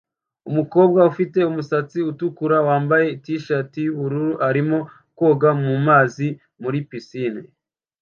Umukobwa ufite umusatsi utukura wambaye T-shirt yubururu arimo koga mumazi muri pisine